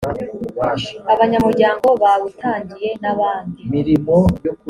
abanyamuryango bawutangiye n abandi